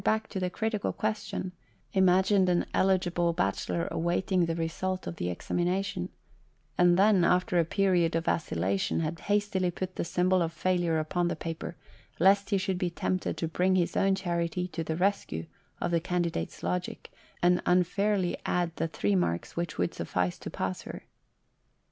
back to the critical question, imagined an eligible bachelor awaiting the result of the examination, and then, after a period of vacilla tion, had hastily put the symbol of failure upon the paper lest he should be tempted to bring his own charity to the rescue of the candidate's logic, and unfairly add the three marks which would suffice to pass her.